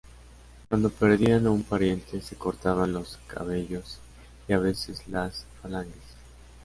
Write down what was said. Cuando perdían a un pariente se cortaban los cabellos y a veces las falanges.